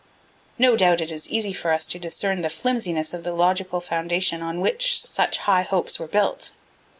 No doubt it is easy for us to discern the flimsiness of the logical foundation on which such high hopes were built.